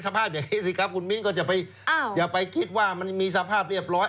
สภาพอย่างนี้สิครับคุณมิ้นก็จะไปอย่าไปคิดว่ามันมีสภาพเรียบร้อย